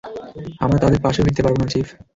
আমরা তাদের পাশেও ভিরতে পারব না, চিফ।